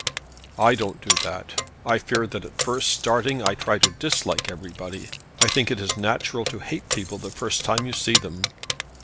"I don't do that. I fear that at first starting I try to dislike everybody. I think it is natural to hate people the first time you see them."